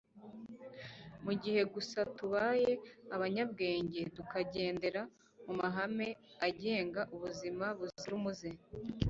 mu gihe gusa tubaye abanyabwenge tukagendera mu mahame agenga ubuzima buzira umuze